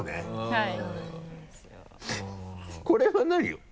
はい。